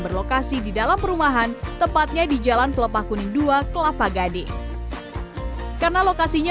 berlokasi di dalam perumahan tepatnya di jalan kelopak kuning dua kelapa gade karena lokasinya